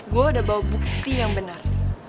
gue udah bawa bukti yang benar